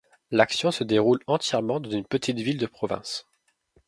L'action se déroule entièrement dans une petite ville de province.